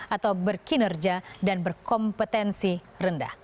atau berkinerja dan berkompetensi rendah